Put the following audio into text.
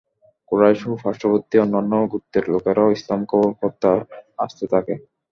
কুরাইশ ও পার্শ্ববর্তী অন্যান্য গোত্রের লোকেরাও ইসলাম কবুল করতে আসতে থাকে।